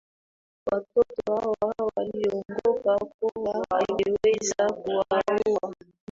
Watoto hawa waliogopa kuwa angeweza kuwaua